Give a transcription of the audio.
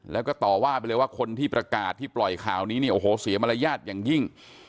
แล้วก็ต่อว่าไปเลยว่าคนที่ประกาศที่ปล่อยข่าวนี้เนี่ยโอ้โหเสียมารยาทอย่างยิ่ง